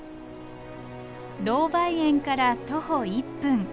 ロウバイ園から徒歩１分。